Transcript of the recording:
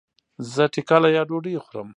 زه ټکله يا ډوډي خورم